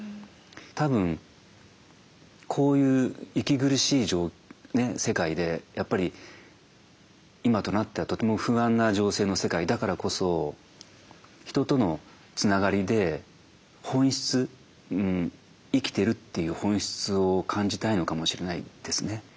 たぶんこういう息苦しい世界でやっぱり今となってはとても不安な情勢の世界だからこそ人とのつながりで本質生きてるっていう本質を感じたいのかもしれないですね。